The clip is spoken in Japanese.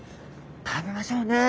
食べましょうね。